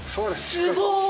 すごい！